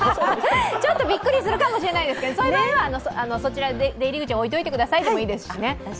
ちょっとびっくりするかもしれないですけど、そういう場合はそちらの出入り口に置いておいてくださいでもいいですしね。